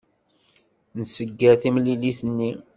Nsegger timlilit-nni.